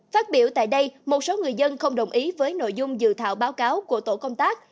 phát biểu tại đây một số người dân không đồng ý với nội dung dự thảo báo cáo của tổ công tác